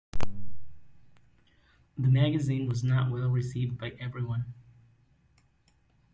The magazine was not well received by everyone.